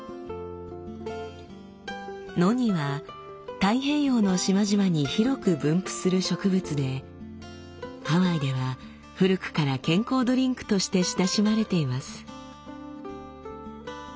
ノニは太平洋の島々に広く分布する植物でハワイでは古くから健康ドリンクとして親しまれています。